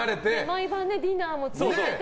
毎晩ディナーもついてて。